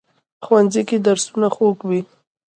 ښوونځی کې درسونه خوږ وي